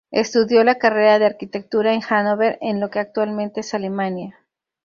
Estudió la carrera de arquitectura en Hanóver, en lo que actualmente es Alemania.